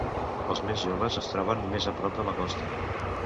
Els més joves es troben més a prop de la costa.